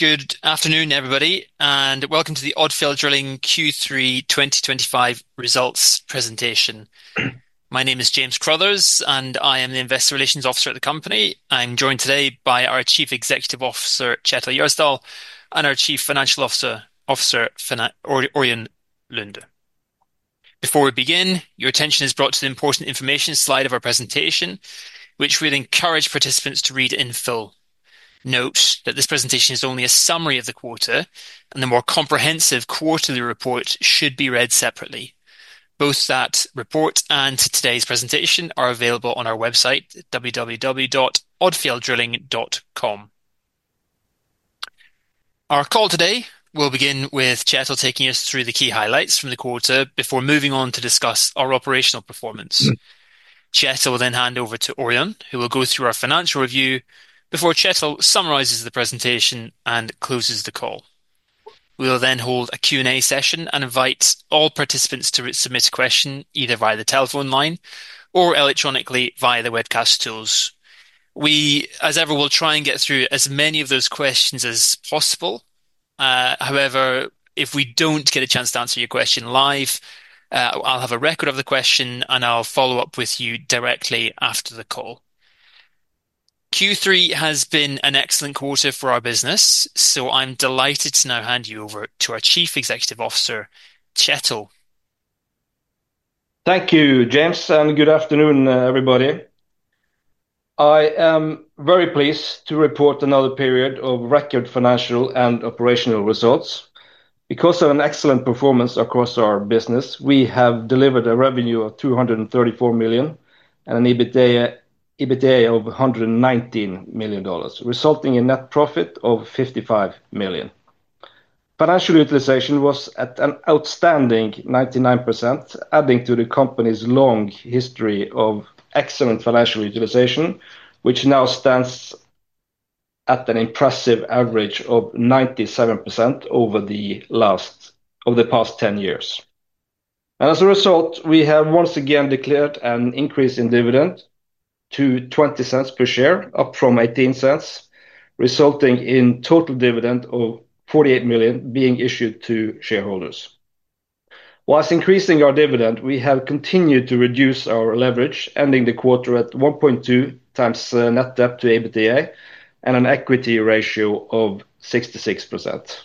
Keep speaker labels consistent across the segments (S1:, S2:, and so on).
S1: Good afternoon, everybody, and welcome to the Odfjell Drilling Q3 2025 Results Presentation. My name is James Crothers, and I am the Investor Relations Officer at the company. I'm joined today by our Chief Executive Officer, Kjetil Gjersdal, and our Chief Financial Officer, Ørjan Lunde. Before we begin, your attention is brought to the important information slide of our presentation, which we'd encourage participants to read in full. Note that this presentation is only a summary of the quarter, and the more comprehensive quarterly report should be read separately. Both that report and today's presentation are available on our website, www.odfjell drilling.com. Our call today will begin with Kjetil taking us through the key highlights from the quarter before moving on to discuss our operational performance. Kjetil will then hand over to Ørjan, who will go through our financial review before Kjetil summarises the presentation and closes the call. We will then hold a Q&A session and invite all participants to submit a question either via the telephone line or electronically via the webcast tools. We, as ever, will try and get through as many of those questions as possible. However, if we do not get a chance to answer your question live, I will have a record of the question, and I will follow up with you directly after the call. Q3 has been an excellent quarter for our business, so I am delighted to now hand you over to our Chief Executive Officer, Kjetil.
S2: Thank you, James, and good afternoon, everybody. I am very pleased to report another period of record financial and operational results. Because of an excellent performance across our business, we have delivered a revenue of $234 million and an EBITDA of $119 million, resulting in net profit of $55 million. Financial utilisation was at an outstanding 99%, adding to the company's long history of excellent financial utilisation, which now stands at an impressive average of 97% over the past 10 years. As a result, we have once again declared an increase in dividend to $0.20 per share, up from $0.18, resulting in a total dividend of $48 million being issued to shareholders. Whilst increasing our dividend, we have continued to reduce our leverage, ending the quarter at 1.2 times net debt to EBITDA and an equity ratio of 66%.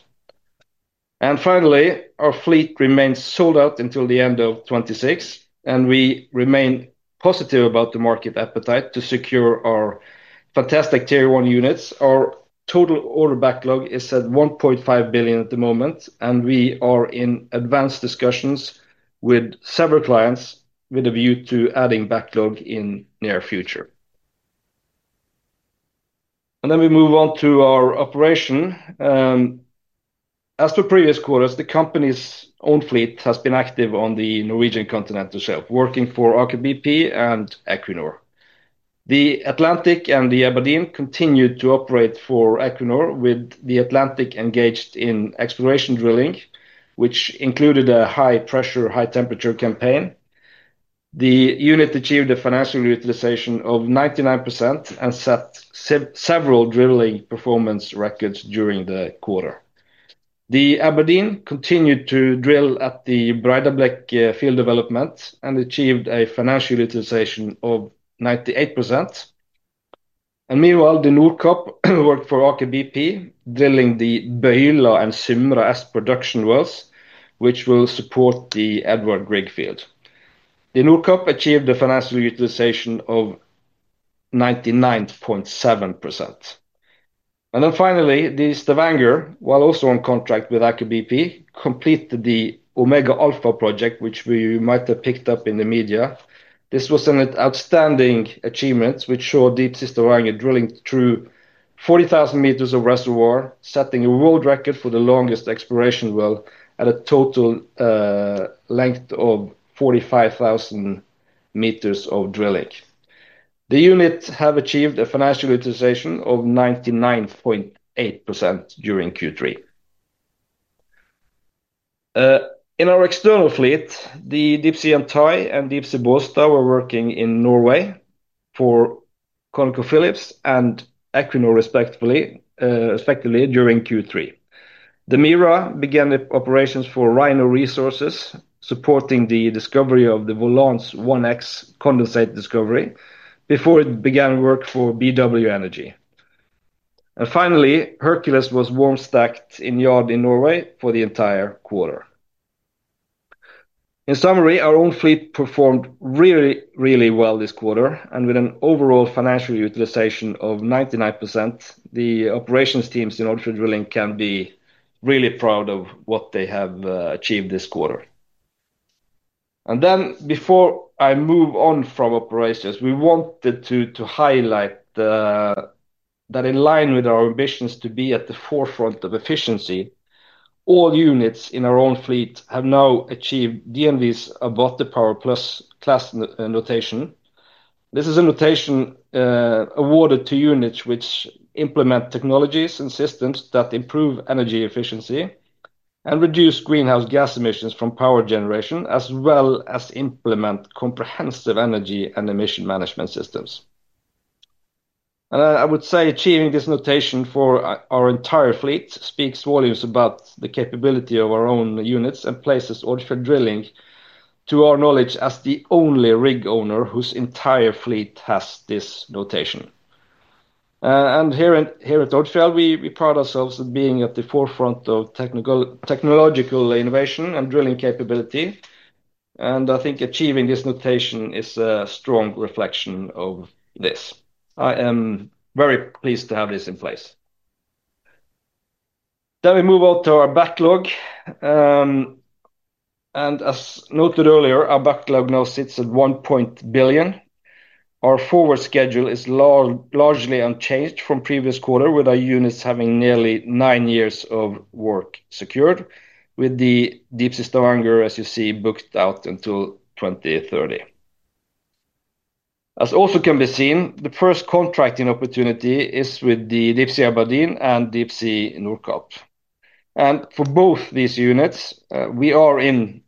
S2: Finally, our fleet remains sold out until the end of 2026, and we remain positive about the market appetite to secure our fantastic Tier 1 units. Our total order backlog is at $1.5 billion at the moment, and we are in advanced discussions with several clients with a view to adding backlog in the near future. We move on to our operation. As for previous quarters, the company's own fleet has been active on the Norwegian Continental Shelf, working for Aker BP and Equinor. The Atlantic and the Aberdeen continued to operate for Equinor, with the Atlantic engaged in exploration drilling, which included a high-pressure, high-temperature campaign. The unit achieved a financial utilisation of 99% and set several drilling performance records during the quarter. The Aberdeen continued to drill at the Breidablikk Field Development and achieved a financial utilization of 98%. Meanwhile, the Nordkapp worked for Aker BP, drilling the Bøyla and Sømra Est Production Wells, which will support the Edvard Grieg Field. The Nordkapp achieved a financial utilisation of 99.7%. Finally, the Stavanger, while also on contract with Aker BP, completed the Omega Alpha project, which you might have picked up in the media. This was an outstanding achievement, which saw Deepsea Stavanger drilling through 40,000 meters of reservoir, setting a world record for the longest exploration well at a total length of 45,000 meters of drilling. The unit has achieved a financial utilisation of 99.8% during Q3. In our external fleet, the Deepsea Atlantic and Deepsea Bollsta were working in Norway for ConocoPhillips and Equinor, respectively. During Q3, the Mira began operations for Rhino Resources, supporting the discovery of the Volans 1X condensate discovery before it began work for BW Energy. Finally, Hercules was warm-stacked in yard in Norway for the entire quarter. In summary, our own fleet performed really, really well this quarter, and with an overall financial utilisation of 99%, the operations teams in Odfjell Drilling can be really proud of what they have achieved this quarter. Before I move on from operations, we wanted to highlight that in line with our ambitions to be at the forefront of efficiency, all units in our own fleet have now achieved DNV's ABATE Power Plus class notation. This is a notation awarded to units which implement technologies and systems that improve energy efficiency and reduce greenhouse gas emissions from power generation, as well as implement comprehensive energy and emission management systems. I would say achieving this notation for our entire fleet speaks volumes about the capability of our own units and places Odfjell Drilling, to our knowledge, as the only rig owner whose entire fleet has this notation. Here at Odfjell, we pride ourselves on being at the forefront of technological innovation and drilling capability. I think achieving this notation is a strong reflection of this. I am very pleased to have this in place. We move on to our Backlog. As noted earlier, our backlog now sits at $1 billion. Our forward schedule is largely unchanged from the previous quarter, with our units having nearly nine years of work secured, with the Deepsea Stavanger, as you see, booked out until 2030. As also can be seen, the first contracting opportunity is with the Deepsea Aberdeen and Deepsea Nordkapp. For both these units, we are in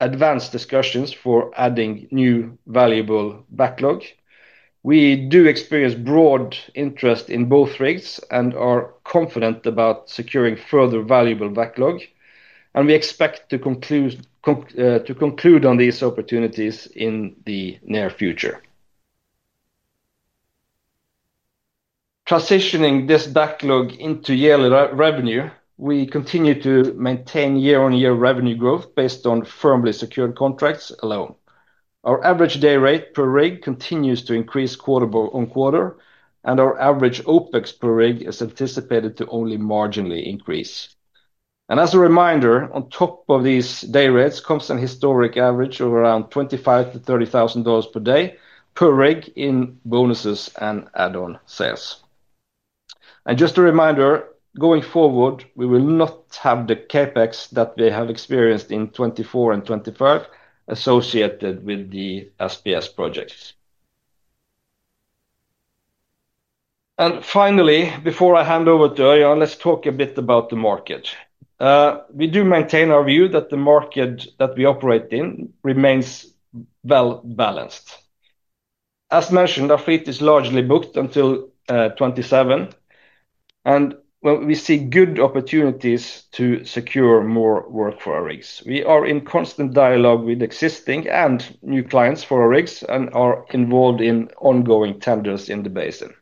S2: advanced discussions for adding new valuable backlog. We do experience broad interest in both rigs and are confident about securing further valuable backlog. We expect to conclude on these opportunities in the near future. Transitioning this backlog into yearly revenue, we continue to maintain year-on-year revenue growth based on firmly secured contracts alone. Our average day rate per rig continues to increase quarter on quarter, and our average OpEx per rig is anticipated to only marginally increase. As a reminder, on top of these day rates comes a historic average of around $25,000-$30,000 per day per rig in bonuses and add-on sales. Just a reminder, going forward, we will not have the CapEx that we have experienced in 2024 and 2025 associated with the SPS projects. Finally, before I hand over to Ørjan, let's talk a bit about the market. We do maintain our view that the market that we operate in remains well-balanced. As mentioned, our fleet is largely booked until 2027, and we see good opportunities to secure more work for our rigs. We are in constant dialogue with existing and new clients for our rigs and are involved in ongoing tenders in the basin.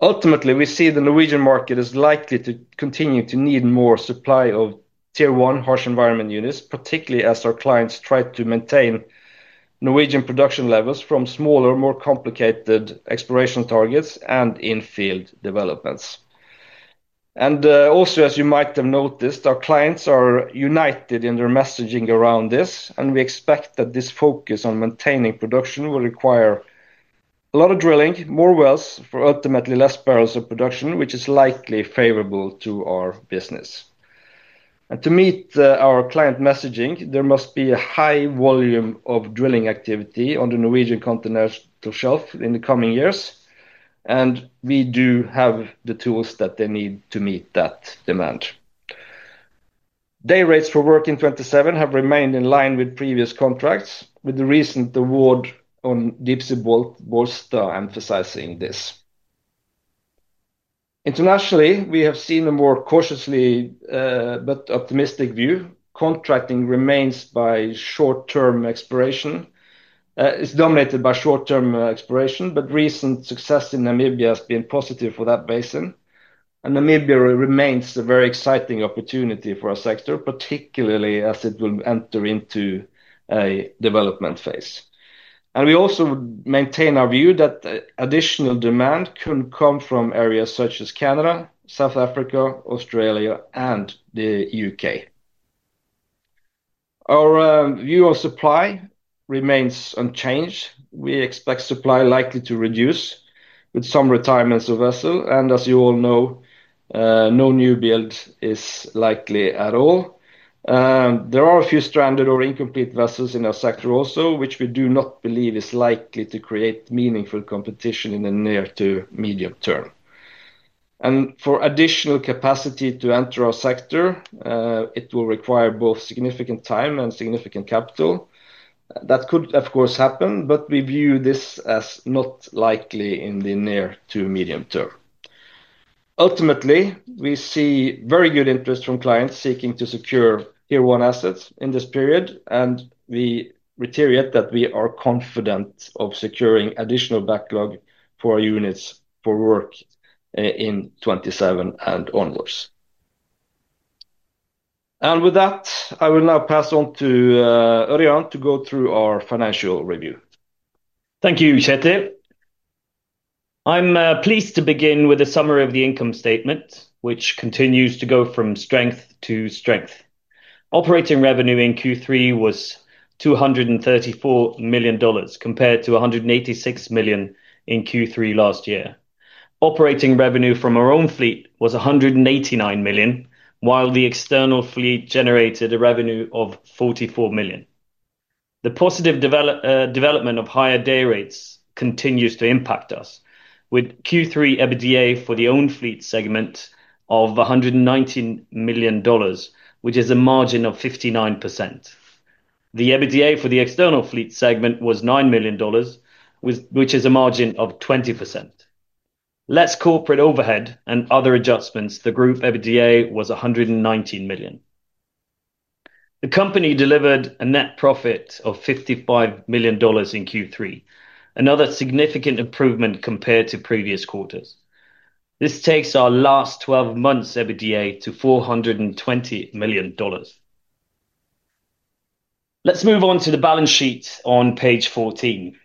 S2: Ultimately, we see the Norwegian market is likely to continue to need more supply of Tier 1 harsh-environment units, particularly as our clients try to maintain Norwegian production levels from smaller, more complicated exploration targets and in-field developments. Also, as you might have noticed, our clients are united in their messaging around this, and we expect that this focus on maintaining production will require. A lot of drilling, more wells for ultimately less barrels of production, which is likely favorable to our business. To meet our client messaging, there must be a high volume of drilling activity on the Norwegian Continental Shelf in the coming years, and we do have the tools that they need to meet that demand. Day rates for work in 2027 have remained in line with previous contracts, with the recent award on Deepsea Bollsta emphasizing this. Internationally, we have seen a more cautiously but optimistic view. Contracting is dominated by short-term exploration, but recent success in Namibia has been positive for that basin. Namibia remains a very exciting opportunity for our sector, particularly as it will enter into a development phase. We also maintain our view that additional demand could come from areas such as Canada, South Africa, Australia, and the U.K. Our view of supply remains unchanged. We expect supply likely to reduce with some retirements of vessels. As you all know, no new build is likely at all. There are a few stranded or incomplete vessels in our sector also, which we do not believe is likely to create meaningful competition in the near to medium term. For additional capacity to enter our sector, it will require both significant time and significant capital. That could, of course, happen, but we view this as not likely in the near to medium term. Ultimately, we see very good interest from clients seeking to secure tier one assets in this period, and we reiterate that we are confident of securing additional backlog for our units for work.In 2027 and onwards. With that, I will now pass on to Ørjan to go through our Financial Review.
S3: Thank you, Kjetil. I'm pleased to begin with a summary of the Income Statement, which continues to go from strength to strength. Operating revenue in Q3 was $234 million compared to $186 million in Q3 last year. Operating revenue from our own fleet was $189 million, while the external fleet generated a revenue of $44 million. The positive development of higher day rates continues to impact us, with Q3 EBITDA for the own fleet segment of $119 million, which is a margin of 59%. The EBITDA for the external fleet segment was $9 million, which is a margin of 20%. Less corporate overhead and other adjustments, the group EBITDA was $119 million. The company delivered a net profit of $55 million in Q3, another significant improvement compared to previous quarters. This takes our last 12 months' EBITDA to $420 million. Let's move on to the Balance Sheet on page 14.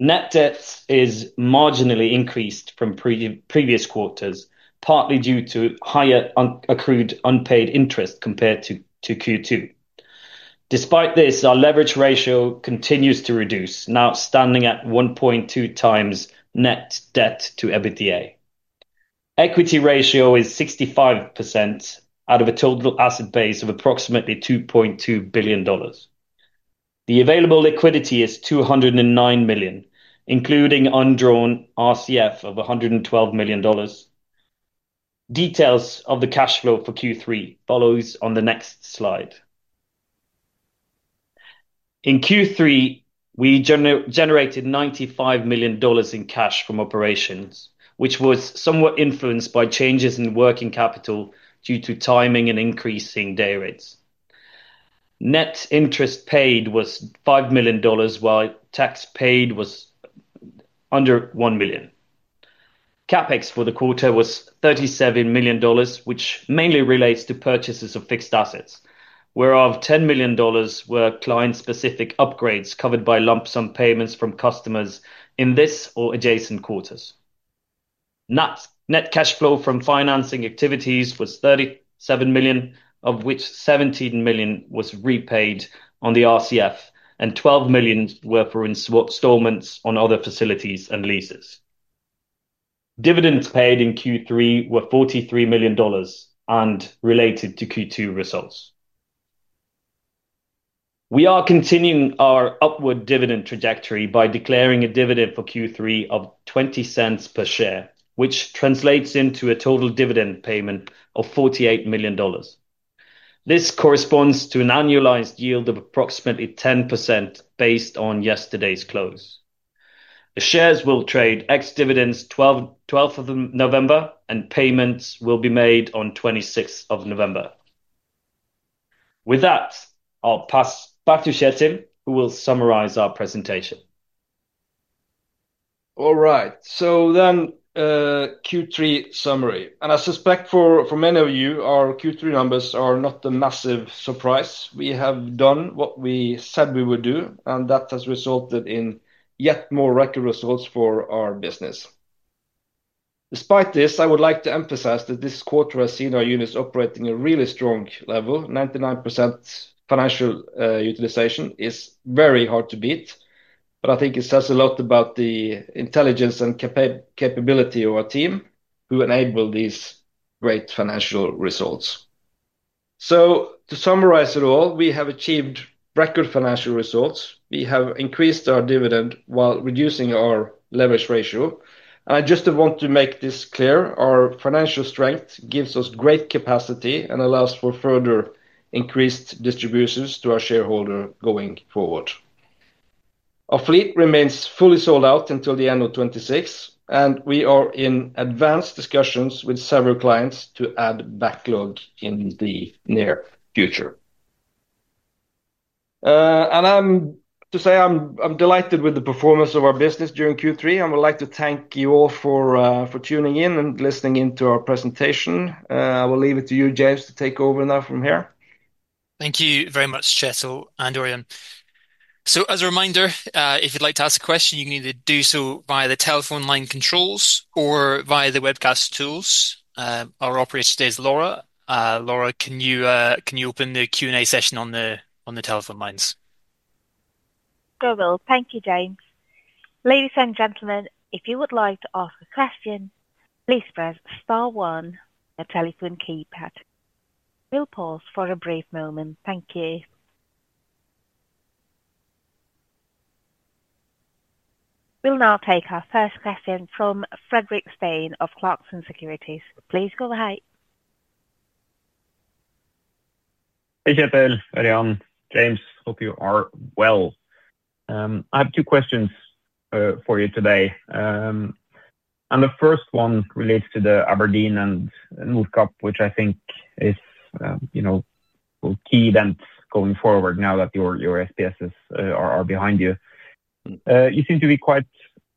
S3: Net debt is marginally increased from previous quarters, partly due to higher accrued unpaid interest compared to Q2. Despite this, our leverage ratio continues to reduce, now standing at 1.2 times net debt to EBITDA. Equity ratio is 65% out of a total asset base of approximately $2.2 billion. The available liquidity is $209 million, including undrawn RCF of $112 million. Details of the Cash Flow for Q3 follow on the next slide. In Q3, we generated $95 million in cash from operations, which was somewhat influenced by changes in working capital due to timing and increasing day rates. Net interest paid was $5 million, while tax paid was under $1 million. CapEx for the quarter was $37 million, which mainly relates to purchases of fixed assets, whereof $10 million were client-specific upgrades covered by lump-sum payments from customers in this or adjacent quarters. Net cash flow from financing activities was $37 million, of which $17 million was repaid on the RCF, and $12 million were for installments on other facilities and leases. Dividends paid in Q3 were $43 million and related to Q2 results. We are continuing our upward dividend trajectory by declaring a dividend for Q3 of $0.20 per share, which translates into a total dividend payment of $48 million. This corresponds to an annualized yield of approximately 10% based on yesterday's close. The shares will trade ex-dividends 12th November, and payments will be made on 26th November. With that, I'll pass back to Kjetil, who will summarize our presentation.
S2: All right, so then. Q3 summary. I suspect for many of you, our Q3 numbers are not a massive surprise. We have done what we said we would do, and that has resulted in yet more record results for our business. Despite this, I would like to emphasize that this quarter has seen our units operating at a really strong level. 99% financial utilization is very hard to beat, but I think it says a lot about the intelligence and capability of our team who enable these great financial results. To summarize it all, we have achieved record financial results. We have increased our dividend while reducing our leverage ratio. I just want to make this clear: our financial strength gives us great capacity and allows for further increased distributions to our shareholders going forward. Our fleet remains fully sold out until the end of 2026, and we are in advanced discussions with several clients to add backlog in the near future. To say I'm delighted with the performance of our business during Q3, I would like to thank you all for tuning in and listening in to our presentation. I will leave it to you, James, to take over now from here.
S1: Thank you very much, Kjetil and Ørjan. As a reminder, if you'd like to ask a question, you can either do so via the telephone line controls or via the webcast tools. Our operator today is Laura. Laura, can you open the Q&A session on the telephone lines?
S4: Thank you, James. Ladies and gentlemen, if you would like to ask a question, please press star one on your telephone keypad. We'll pause for a brief moment. Thank you. We'll now take our first question from Fredrik Stene of Clarkson Securities. Please go ahead.
S5: Hey, Kjetil, Ørjan, hope you are well. I have two questions for you today. The first one relates to the Aberdeen and Nordkapp, which I think is a key event going forward now that your SPSs are behind you. You seem to be quite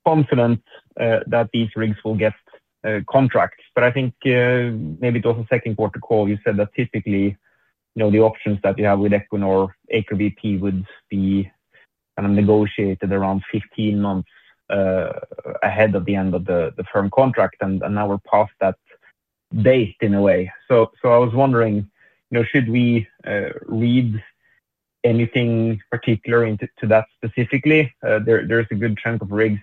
S5: confident that these rigs will get contracts. I think maybe it was a second-quarter call. You said that typically, the options that you have with Equinor, Aker BP would be kind of negotiated around 15 months ahead of the end of the firm contract, and now we're past that date in a way. I was wondering, should we read anything particular to that specifically? There's a good chunk of rigs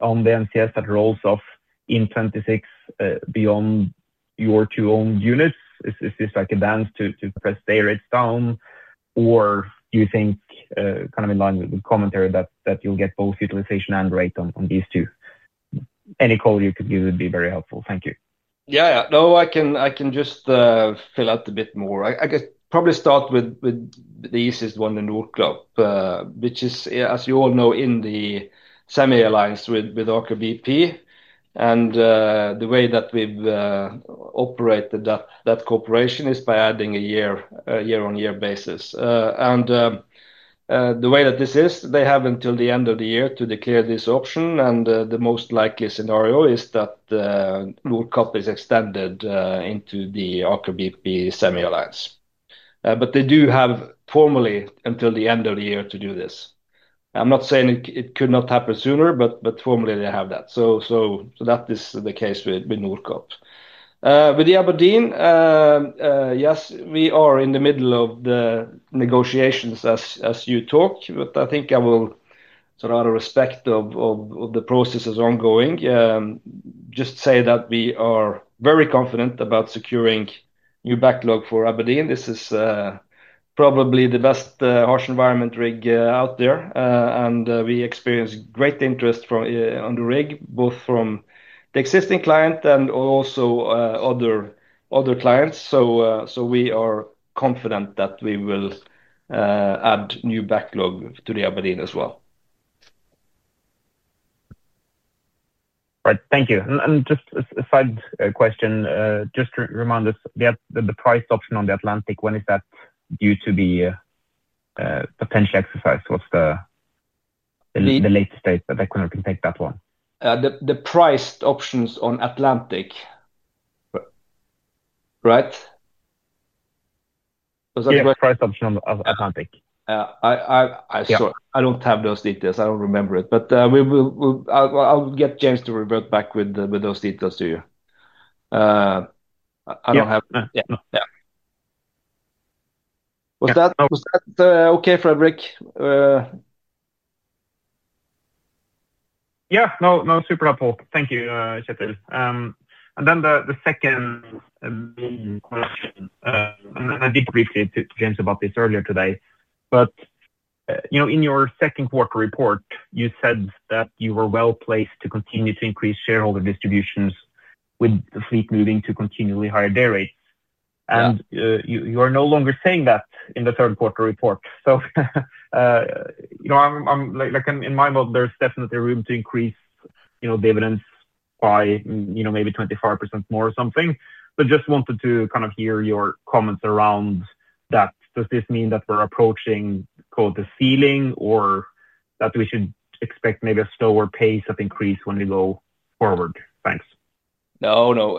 S5: on the NCS that rolls off in 2026 beyond your two own units. Is this like a dance to press day rates down, or do you think, kind of in line with the commentary that you'll get both utilization and rate on these two? Any call you could give would be very helpful. Thank you.
S2: Yeah. No, I can just fill out a bit more. I guess probably start with the easiest one, the Nordkapp, which is, as you all know, in the semi-alliance with Aker BP. The way that we've operated that corporation is by adding a year-on-year basis. The way that this is, they have until the end of the year to declare this option. The most likely scenario is that Nordkapp is extended into the Aker BP semi-alliance. They do have formally until the end of the year to do this. I'm not saying it could not happen sooner, but formally they have that. That is the case with Nordkapp. With the Aberdeen, yes, we are in the middle of the negotiations as you talk, but I think I will, sort of out of respect of the processes ongoing. Just say that we are very confident about securing new backlog for Aberdeen. This is probably the best harsh-environment rig out there. We experience great interest on the rig, both from the existing client and also other clients. We are confident that we will add new backlog to the Aberdeen as well.
S5: All right, thank you. Just a side question, just to remind us, the price option on the Atlantic, when is that due to be potentially exercised? What's the latest date that Equinor can take that one?
S2: The priced options on Atlantic, right?
S5: Yeah, the price option on Atlantic.
S2: Yeah. I don't have those details. I don't remember it. I'll get James to revert back with those details to you. I don't have it.
S5: Yeah.
S2: Was that okay, Fredrik?
S5: Yeah, no, super helpful. Thank you, Kjetil. Then the second main question, and I did briefly to James about this earlier today, but in your Second Quarter Report, you said that you were well-placed to continue to increase shareholder distributions with the fleet moving to continually higher day rates. You are no longer saying that in the Third Quarter Report. In my mind, there's definitely room to increase dividends by maybe 25% more or something. Just wanted to kind of hear your comments around that. Does this mean that we're approaching the ceiling or that we should expect maybe a slower pace of increase when we go forward? Thanks.
S2: No, no.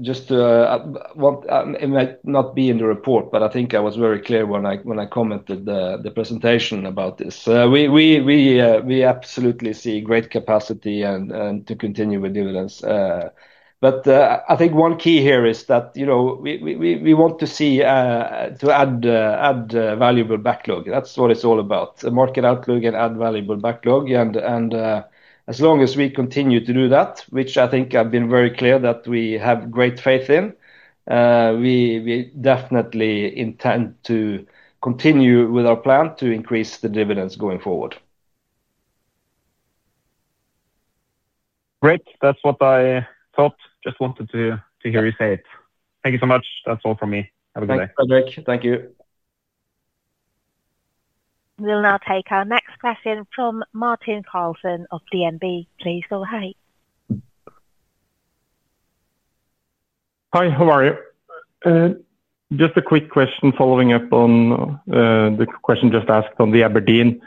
S2: Just. What might not be in the Report, but I think I was very clear when I commented the Presentation about this. We absolutely see great capacity to continue with dividends. I think one key here is that we want to see to add valuable backlog. That's what it's all about: Market Outlook and add valuable backlog. As long as we continue to do that, which I think I've been very clear that we have great faith in, we definitely intend to continue with our plan to increase the dividends going forward.
S5: Great. That's what I thought. Just wanted to hear you say it. Thank you so much. That's all from me. Have a good day.
S2: Thanks, Fredrik. Thank you.
S4: We'll now take our next question from Mathias Carlson of DNB. Please go ahead.
S6: Hi, how are you? Just a quick question following up on the question just asked on the Aberdeen.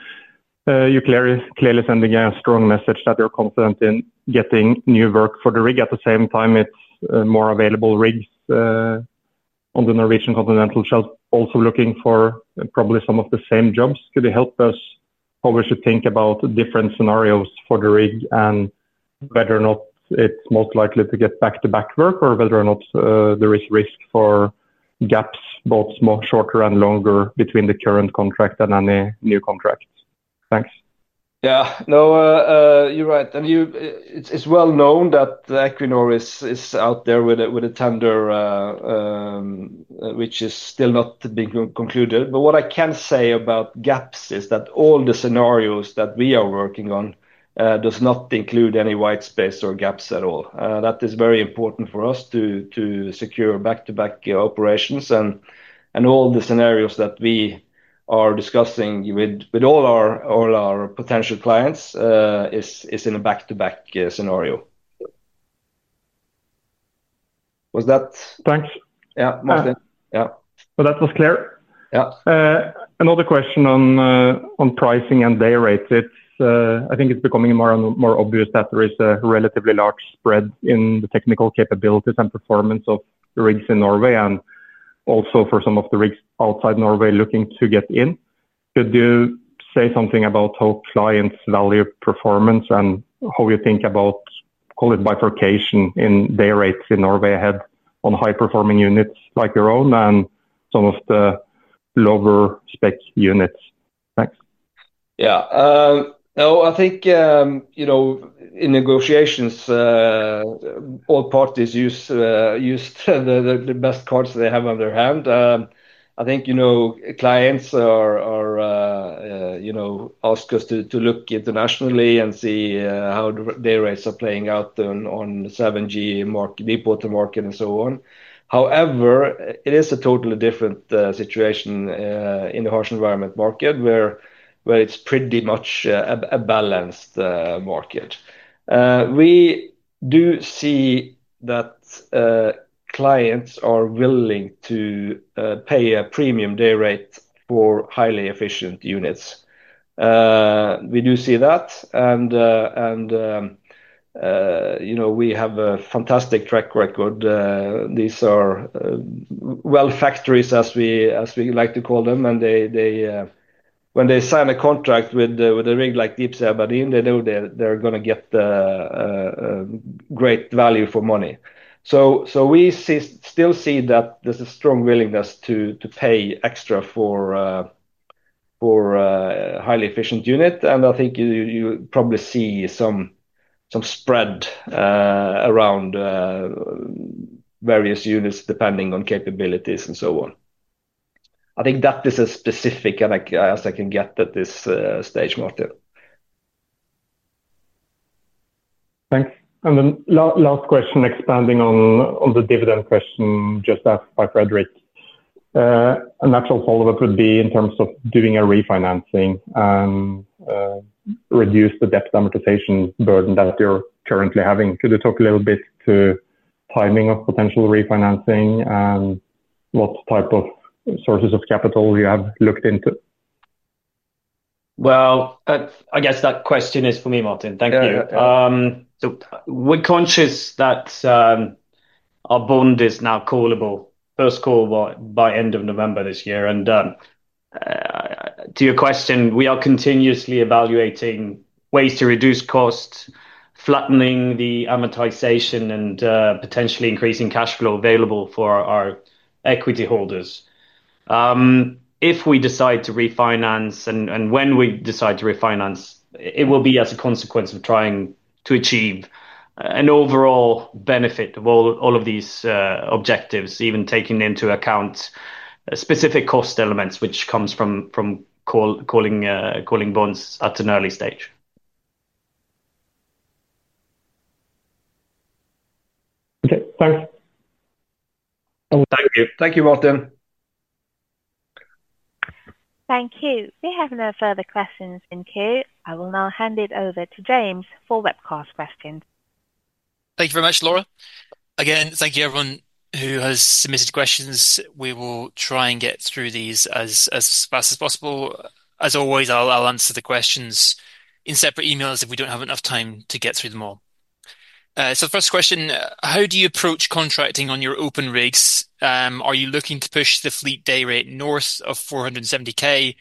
S6: You're clearly sending a strong message that you're confident in getting new work for the rig. At the same time, it's more available rigs on the Norwegian Continental Shelf also looking for probably some of the same jobs. Could you help us how we should think about different scenarios for the rig and whether or not it's most likely to get back-to-back work or whether or not there is risk for gaps, both shorter and longer, between the current contract and any new contract? Thanks.
S2: Yeah, no, you're right. It is well known that Equinor is out there with a tender, which is still not being concluded. What I can say about gaps is that all the scenarios that we are working on do not include any white space or gaps at all. That is very important for us to secure back-to-back operations. All the scenarios that we are discussing with all our potential clients are in a back-to-back scenario.
S6: Thanks.
S2: Yeah, Mathias.
S6: Yeah. That was clear.
S2: Yeah.
S6: Another question on pricing and day rates. I think it's becoming more obvious that there is a relatively large spread in the technical capabilities and performance of the rigs in Norway and also for some of the rigs outside Norway looking to get in. Could you say something about how clients value performance and how you think about, call it, bifurcation in day rates in Norway ahead on high-performing units like your own and some of the lower-spec units? Thanks.
S2: Yeah. No, I think in negotiations all parties use the best cards they have on their hand. I think clients ask us to look internationally and see how day rates are playing out on the 7G market, deepwater market, and so on. However, it is a totally different situation in the harsh-environment market where it's pretty much a balanced market. We do see that clients are willing to pay a premium day rate for highly efficient units. We do see that. We have a fantastic track record. These are well-factories as we like to call them. When they sign a contract with a rig like Deepsea Aberdeen, they know they're going to get great value for money. We still see that there's a strong willingness to pay extra for a highly efficient unit. I think you probably see some spread around. Various units depending on capabilities and so on. I think that is as specific as I can get at this stage, Mathias.
S6: Thanks. Last question expanding on the dividend question just asked by Fredrik. A natural follow-up would be in terms of doing a refinancing and reduce the debt amortization burden that you're currently having. Could you talk a little bit to timing of potential refinancing and what type of sources of capital you have looked into?
S2: I guess that question is for me, Mathias. Thank you. We are conscious that our bond is now callable, first call by end of November this year. To your question, we are continuously evaluating ways to reduce costs, flattening the amortization, and potentially increasing cash flow available for our equity holders. If we decide to refinance, and when we decide to refinance, it will be as a consequence of trying to achieve an overall benefit of all of these objectives, even taking into account specific cost elements which comes from calling bonds at an early stage.
S6: Okay, thanks.
S2: Thank you. Thank you, Mathias.
S4: Thank you. If you have no further questions in queue, I will now hand it over to James for webcast questions.
S1: Thank you very much, Laura. Again, thank you everyone who has submitted questions. We will try and get through these as fast as possible. As always, I'll answer the questions in separate emails if we don't have enough time to get through them all. The first question, how do you approach contracting on your open rigs? Are you looking to push the fleet day rate north of $470,000,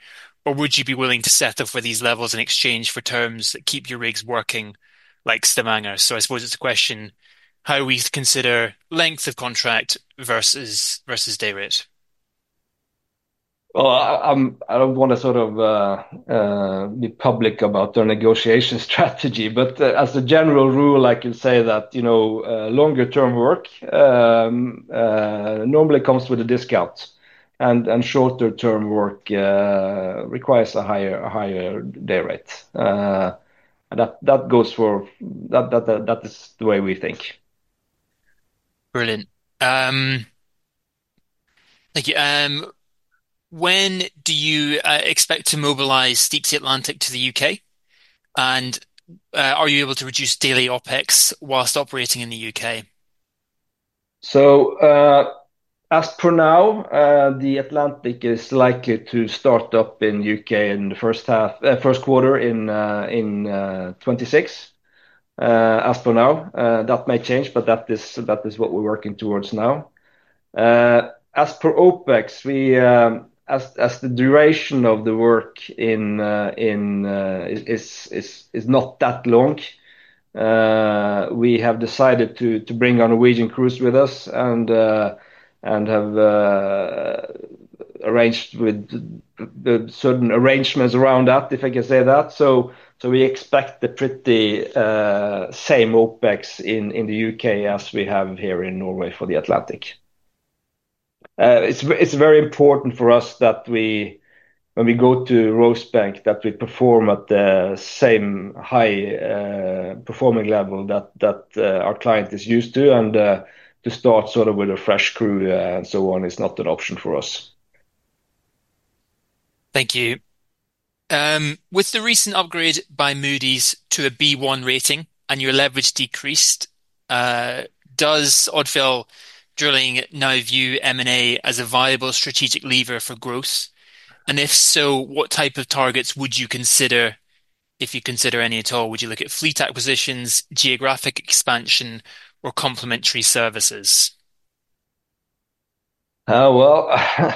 S1: or would you be willing to set up for these levels in exchange for terms that keep your rigs working like Stavanger? I suppose it's a question how we consider length of contract versus day rate.
S2: I do not want to sort of be public about our negotiation strategy, but as a general rule, I can say that longer-term work normally comes with a discount, and shorter-term work requires a higher day rate. That goes for—that is the way we think.
S1: Brilliant. Thank you. When do you expect to mobilize Deepsea Atlantic to the U.K.? Are you able to reduce daily OpEx whilst operating in the U.K.?
S2: As per now, the Atlantic is likely to start up in the U.K. in the first quarter in 2026. As for now, that may change, but that is what we're working towards now. As per OpEx, the duration of the work is not that long. We have decided to bring Norwegian crew with us and have arranged with certain arrangements around that, if I can say that. We expect the pretty same OpEx in the U.K. as we have here in Norway for the Atlantic. It's very important for us that when we go to Rosebank, that we perform at the same high performing level that our client is used to. To start sort of with a fresh crew and so on is not an option for us.
S1: Thank you. With the recent upgrade by Moody's to a B1 rating and your leverage decreased, does Odfjell Drilling now view M&A as a viable strategic lever for growth? If so, what type of targets would you consider? If you consider any at all, would you look at fleet acquisitions, geographic expansion, or complementary services?
S2: I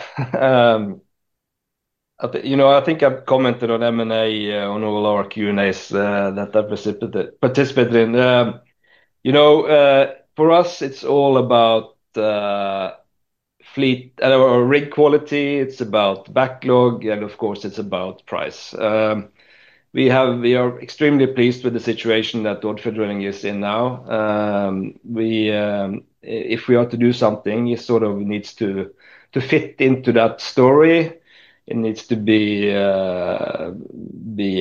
S2: think I've commented on M&A on all our Q&As that I've participated in. For us, it's all about fleet and our rig quality. It's about backlog, and of course, it's about price. We are extremely pleased with the situation that Odfjell Drilling is in now. If we are to do something, it sort of needs to fit into that story. It needs to be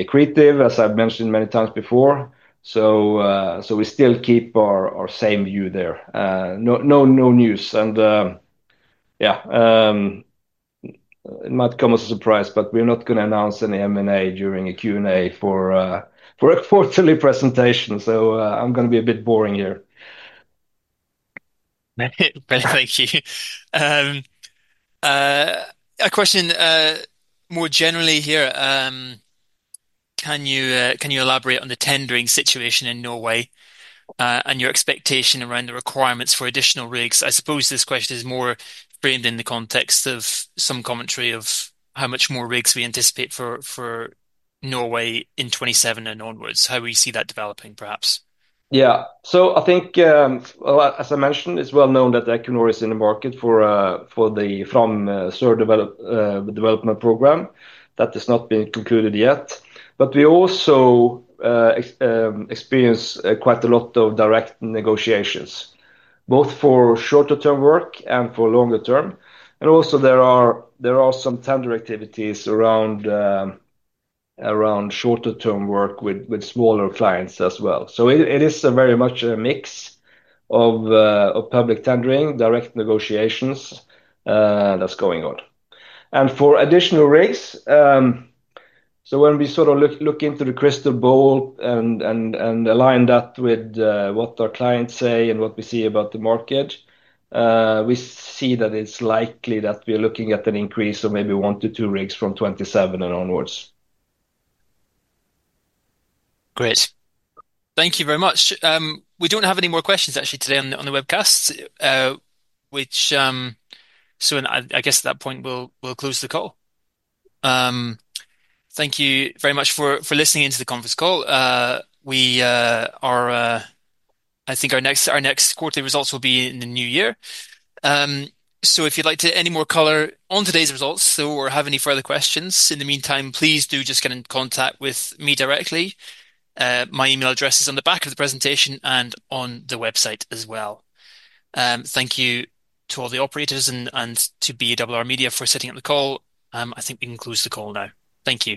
S2: creative, as I've mentioned many times before. We still keep our same view there. No news. Yeah. It might come as a surprise, but we're not going to announce any M&A during a Q&A for a quarterly presentation. I'm going to be a bit boring here.
S1: Thank you. A question. More generally here. Can you elaborate on the tendering situation in Norway and your expectation around the requirements for additional rigs? I suppose this question is more framed in the context of some commentary of how much more rigs we anticipate for Norway in 2027 and onwards. How will you see that developing, perhaps?
S2: Yeah. I think, as I mentioned, it's well known that Equinor is in the market for the FROM development program. That has not been concluded yet. We also experience quite a lot of direct negotiations, both for shorter-term work and for longer-term. There are some tender activities around shorter-term work with smaller clients as well. It is very much a mix of public tendering and direct negotiations that's going on, and for additional rigs. When we sort of look into the crystal ball and align that with what our clients say and what we see about the market, we see that it's likely that we are looking at an increase of maybe one to two rigs from 2027 and onwards.
S1: Great. Thank you very much. We do not have any more questions, actually, today on the webcast. I guess at that point, we will close the call. Thank you very much for listening into the conference call. I think our next quarterly results will be in the new year. If you would like to add any more color on today's results or have any further questions in the meantime, please do just get in contact with me directly. My email address is on the back of the presentation and on the website as well. Thank you to all the operators and to BRR Media for sitting at the call. I think we can close the call now. Thank you.